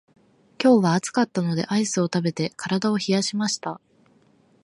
今日は暑かったのでアイスを食べて体を冷やしました。